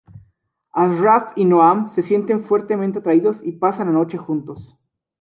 Ashraf y Noam se sienten fuertemente atraídos y pasan la noche juntos.